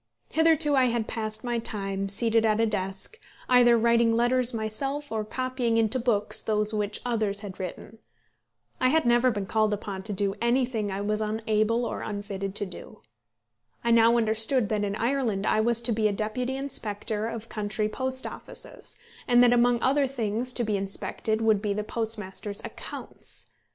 Hitherto I had passed my time, seated at a desk, either writing letters myself, or copying into books those which others had written. I had never been called upon to do anything I was unable or unfitted to do. I now understood that in Ireland I was to be a deputy inspector of country post offices, and that among other things to be inspected would be the postmasters' accounts!